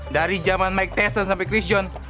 dari zaman mike tyson sampai chris jones